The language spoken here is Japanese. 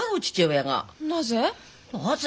なぜ？